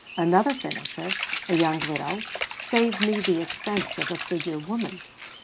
Another finisher, a young widow, saved me the expense of a figure woman.